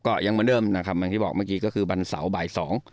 ก็ยังเหมือนเดิมนะครับอย่างที่บอกเมื่อกี้ก็คือวันเสาร์บ่ายสอง